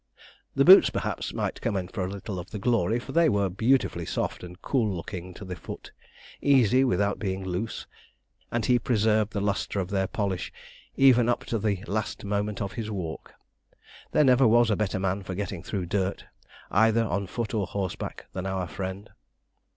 The boots, perhaps, might come in for a little of the glory, for they were beautifully soft and cool looking to the foot, easy without being loose, and he preserved the lustre of their polish, even up to the last moment of his walk. There never was a better man for getting through dirt, either on foot or horseback, than our friend.